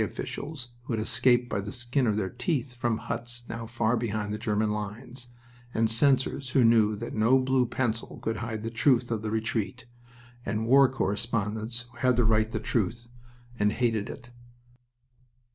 officials who had escaped by the skin of their teeth from huts now far behind the German lines, and censors who knew that no blue pencil could hide the truth of the retreat, and war correspondents who had to write the truth and hated it.